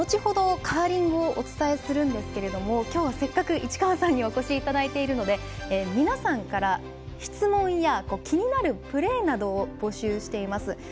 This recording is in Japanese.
後ほど、カーリングをお伝えするんですけれどもきょうは、せっかく市川さんにお越しいただいているので皆さんから気になるプレーなどを募集しています。